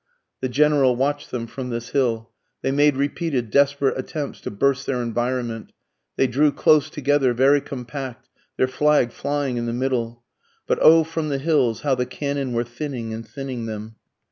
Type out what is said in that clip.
The General watch'd them from this hill, They made repeated desperate attempts to burst their environment, They drew close together, very compact, their flag flying in the middle, But O from the hills how the cannon were thinning and thinning them!